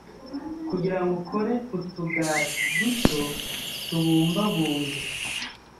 Kugira ngo ukore utugati duto tubumbabumbye,